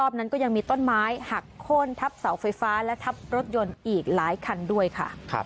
บ้นทับเสาไฟฟ้าและทับรถยนต์อีกหลายคันด้วยค่ะ